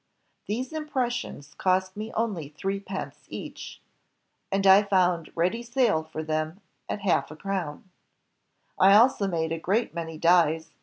These impressions cost me only three pence each ..., and I foimd ready sale for them at a half crown. "I also made a great many dies